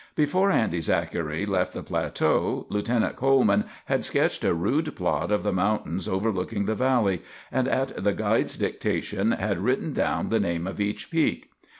Before Andy Zachary left the plateau, Lieutenant Coleman had sketched a rude plot of the mountains overlooking the valley, and at the guide's dictation had written down the name of each peak.